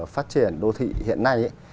phát triển đô thị hiện nay